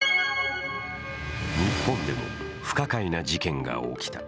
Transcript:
日本でも不可解な事件が起きた。